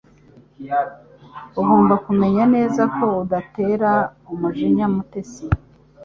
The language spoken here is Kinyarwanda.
Ugomba kumenya neza ko udatera umujinya Mutesi